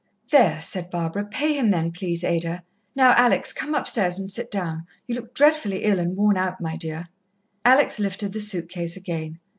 "There!" said Barbara. "Pay him then, please, Ada. Now, Alex, come upstairs and sit down. You look dreadfully ill and worn out, my dear." Alex lifted the suit case again.